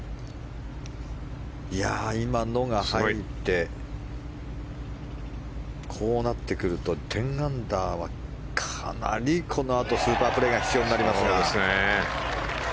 今のが入ってこうなってくると１０アンダーはかなりこのあとスーパープレーが必要になりますが。